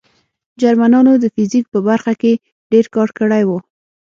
جرمنانو د فزیک په برخه کې ډېر کار کړی و